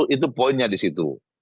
itu poinnya di situ